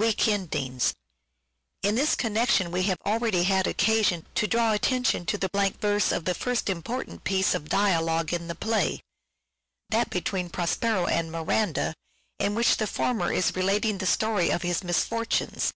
In this connection we have already had occasion to draw attention to the blank verse of the first important piece of dialogue in the play : that between "THE TEMPEST' 525 Prospero and Miranda in which the former is relating " Weak the story of his misfortunes.